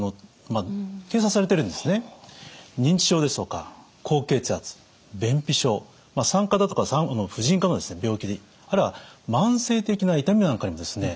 認知症ですとか高血圧便秘症産科だとか婦人科の病気あるいは慢性的な痛みなんかにこう使われてるんですね。